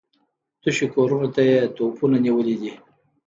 تشو کورونو ته يې توپونه نيولي دي.